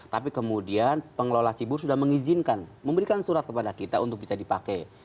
tapi kemudian pengelola cibubur sudah mengizinkan memberikan surat kepada kita untuk bisa dipakai